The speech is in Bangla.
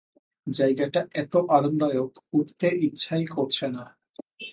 জায়গাটা এত আরামদায়ক, উঠতে ইচ্ছাই করছে না।